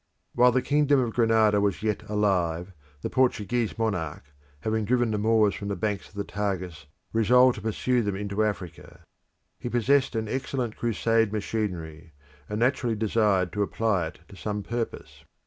While the kingdom of Granada was yet alive, the Portuguese monarch, having driven the Moors from the banks of the Tagus, resolved to pursue them into Africa. He possessed an excellent crusade machinery, and naturally desired to apply it to some purpose.